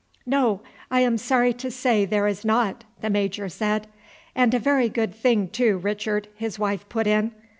"No, I am sorry to say there is not," the major said. "And a very good thing too, Richard," his wife put in.